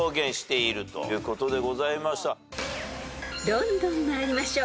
［どんどん参りましょう］